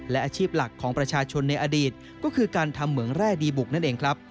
และอาชีพหลักของประชาชนในอดีตก็คือการทำเหมืองแร่ดีบุกนั่นเองครับ